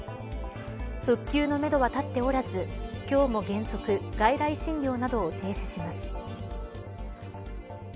復旧のめどは立っておらず今日も原則外来診療などを停止します。